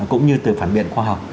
cũng như từ phản biện khoa học